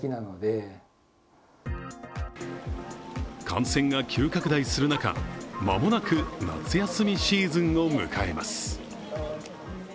感染が急拡大する中、間もなく夏休みシーズンを迎えます。